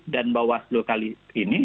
dan bawah suhu kali ini